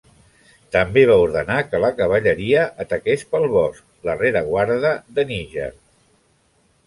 També va ordenar que la cavalleria ataqués pel bosc la rereguarda de Níger.